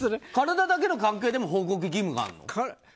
体だけの関係でも報告義務があるの？